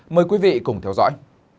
mời quý vị cùng theo dõi